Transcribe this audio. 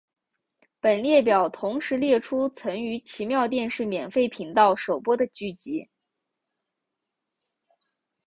本列表同时列出曾于奇妙电视免费频道首播的剧集。